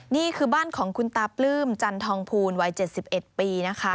นี่คือบ้านของคุณตาปลื้มจันทองภูลวัย๗๑ปีนะคะ